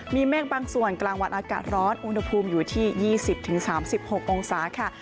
มีเมฆบางส่วนกลางวันอากาศร้อนอุณหภูมิอยู่ที่๒๐๓๖องศาค่ะ